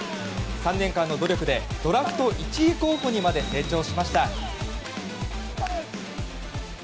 ３年間の努力でドラフト１位候補にまで成長しました。